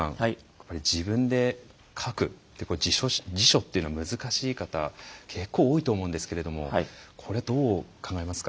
やっぱり自分で書くって自署というのは難しい方結構多いと思うんですけれどもこれどう考えますか？